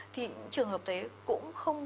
thì trường hợp thế cũng không